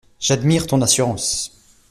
J’admire ton assurance…